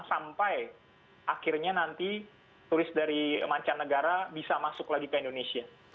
sampai akhirnya nanti turis dari mancanegara bisa masuk lagi ke indonesia